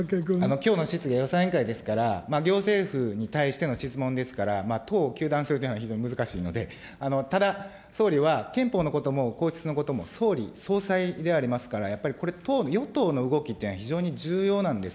きょうの質疑は予算委員会ですから、行政府に対しての質問ですから、党を糾弾するというのは非常に難しいので、ただ、総理は、憲法のことも皇室のことも、総理・総裁でありますから、やっぱりこれ与党の動きっていうのは、非常に重要なんです。